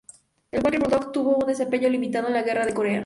El Walker Bulldog tuvo un desempeño limitado en la guerra de Corea.